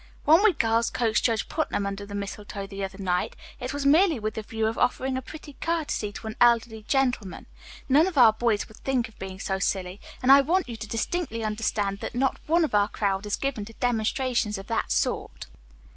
When we girls coaxed Judge Putnam under the mistletoe the other night, it was merely with the view of offering a pretty courtesy to an elderly gentleman. None of our boys would think of being so silly, and I want you to distinctly understand that not one of our crowd is given to demonstrations of that sort."